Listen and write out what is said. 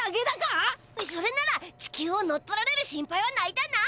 それなら地球を乗っ取られる心配はないだな！